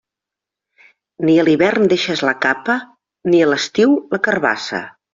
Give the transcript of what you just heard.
Ni a l'hivern deixes la capa, ni a l'estiu la carabassa.